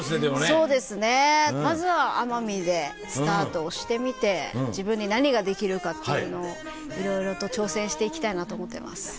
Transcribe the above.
そうですねまずは奄美でスタートをしてみて自分に何ができるかっていうのをいろいろと挑戦して行きたいなと思ってます。